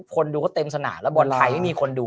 คนดูเขาเต็มสนามแล้วบอลไทยไม่มีคนดู